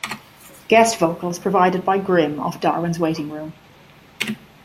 Guest vocals provided by Grimm of Darwin's Waiting Room.